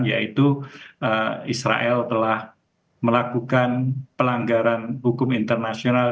yaitu israel telah melakukan pelanggaran hukum internasional